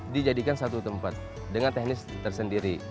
dijadikan satu tempat dengan teknis tersendiri